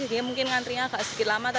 jadi mungkin ngantrinya agak sedikit lama